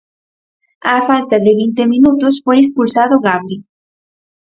Á falta de vinte minutos foi expulsado Gabri.